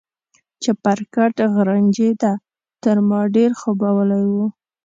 چپرکټ غرنجېده، تر ما ډېر خوبولی و.